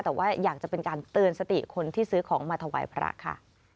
แต่ว่าอยากจะเป็นการเตือนสติคนที่ซื้อของมาถวายพระค่ะ